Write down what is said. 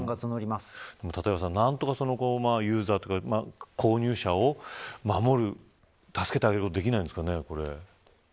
立岩さん何とかユーザーというか購入者を守る助けてあげることできないんですかね。